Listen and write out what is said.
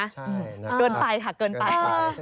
ใช่น่าเกินไปค่ะเกินไป